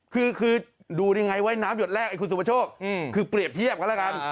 คือดูได้ไงว่ายน้ำหยดแรกไอ้คุณสุประโชคคือเปรียบเทียบกันแล้วกัน